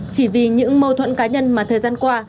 chỉ vì những mâu thuẫn cá nhân mà thời gian qua